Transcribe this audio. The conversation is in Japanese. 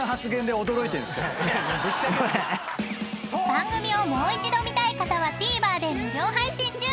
［番組をもう一度見たい方はＴＶｅｒで無料配信中］